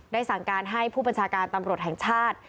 สั่งการให้ผู้บัญชาการตำรวจแห่งชาติ